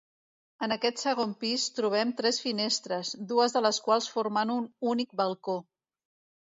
En aquest segon pis trobem tres finestres, dues de les quals formant un únic balcó.